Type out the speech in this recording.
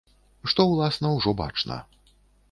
Што, уласна, ужо бачна.